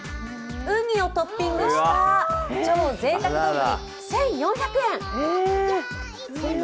うにをトッピングした超ぜいたく丼１４００円。